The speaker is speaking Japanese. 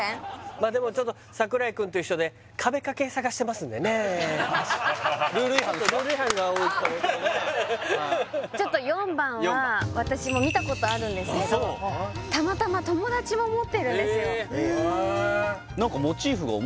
まあでもちょっと櫻井くんと一緒でちょっとルール違反が多いちょっと４番は私も見たことあるんですけどああそうたまたま友達も持ってるんですよへえ